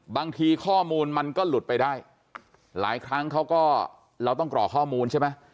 บางทีข้อมูลมันก็หลุดไปได้หลายครั้งเขาก็เราต้องกรอกข้อมูลใช่ไหม